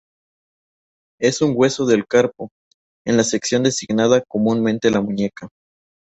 Es un hueso del carpo, en la sección designada comúnmente la muñeca.